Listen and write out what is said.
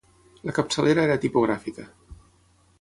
La capçalera era tipogràfica.